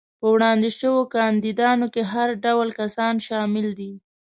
په وړاندې شوو کاندیدانو کې هر ډول کسان شامل دي.